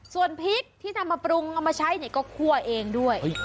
ส่วนพริกที่นำมาปรุงเอามาใช้ก็คั่วเองด้วย